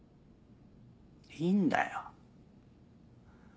いいんだよ。